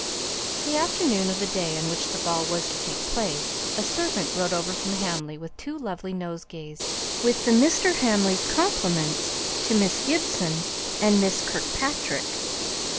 The afternoon of the day on which the ball was to take place, a servant rode over from Hamley with two lovely nosegays, "with the Mr. Hamleys' compliments to Miss Gibson and Miss Kirkpatrick."